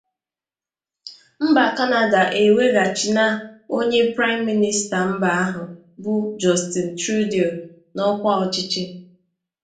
Mba Kanada eweghachina onye Praịm Mịnịsta mba ahụ bụ Justin Trudeau n’ọkwa ọchịchị